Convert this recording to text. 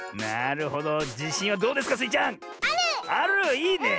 いいね。